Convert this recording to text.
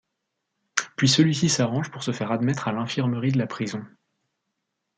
Puis celui-ci s'arrange pour se faire admettre à l'infirmerie de la prison.